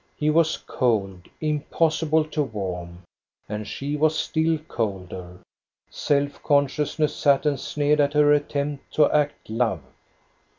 He was cold, impossible to warm, and she was still colder. Self consciousness sat and sneered at her attempt to act love.